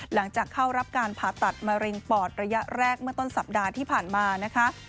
หลังจากเข้ารับการผ่าตัดมะเร็งปอดระยะแรกเมื่อต้นสัปดาห์ที่ผ่านมานะคะ